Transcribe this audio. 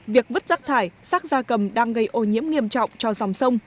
việc vứt rắc thải sát da cầm đang gây ô nhiễm nghiêm trọng cho dòng sông